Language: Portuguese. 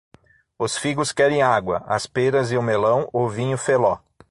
Os figos querem água; as pêras e o melão, o vinho felló.